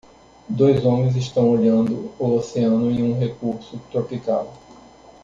Dois homens estão olhando o oceano em um recurso tropical.